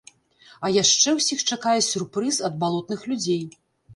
А яшчэ ўсіх чакае сюрпрыз ад балотных людзей.